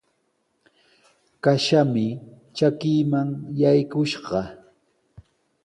Kashami trakiiman yakushqa.